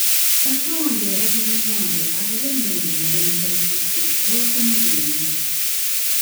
Taata wange yalagira mmange agabe emmere gye yali anterekedde olw'okumujeemera.